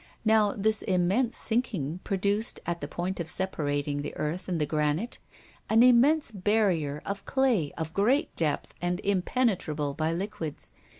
Now this immense sinking produced, at the point of separating the earth and the granite, an immense barrier of clay of great depth and impenetrable by liquids.